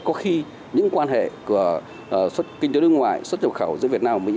có khi những quan hệ của kinh tế đối ngoại xuất nhập khẩu giữa việt nam và mỹ